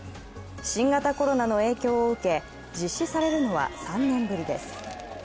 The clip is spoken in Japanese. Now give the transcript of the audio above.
新型コロナの影響を受け、実施されるのは３年ぶりです。